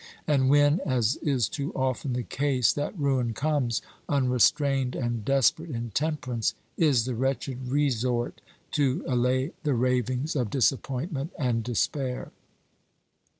And when, as is too often the case, that ruin comes, unrestrained and desperate intemperance is the wretched resort to allay the ravings of disappointment and despair.